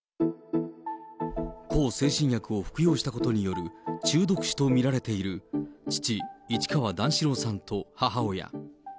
向精神薬を服用したことによる中毒死と見られている父、市川段四郎さんと母親。